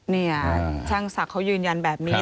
เนี่ยช่างศักดิ์เขายืนยันแบบนี้